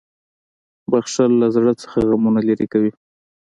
• بښل له زړه نه غمونه لېرې کوي.